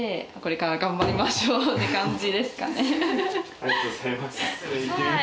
ありがとうございます。